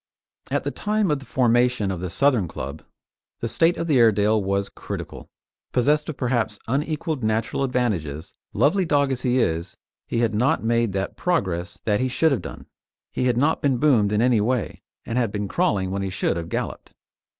At the time of the formation of the Southern club the state of the Airedale was critical; possessed of perhaps unequalled natural advantages, lovely dog as he is, he had not made that progress that he should have done. He had not been boomed in any way, and had been crawling when he should have galloped.